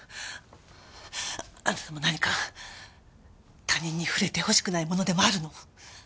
あなたも何か他人に触れてほしくないものでもあるの？